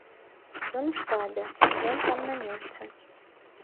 Ён у штабе, ён там на месцы.